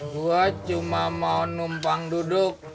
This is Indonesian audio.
gue cuma mau numpang duduk